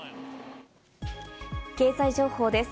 経済情報です。